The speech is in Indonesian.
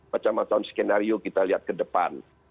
macam macam skenario kita lihat ke depan